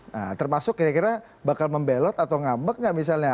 nah termasuk kira kira bakal membelot atau ngambek nggak misalnya